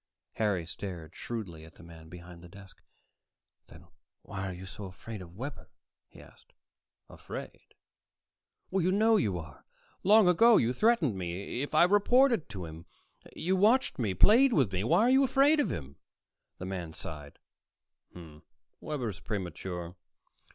Harry stared shrewdly at the man behind the desk. "Then why are you so afraid of Webber?" he asked. "Afraid?" "You know you are. Long ago you threatened me, if I reported to him. You watched me, played with me. Why are you afraid of him?" The man sighed. "Webber is premature.